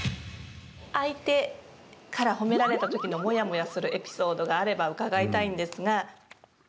相手から褒められた時のモヤモヤするエピソードがあれば伺いたいんですが。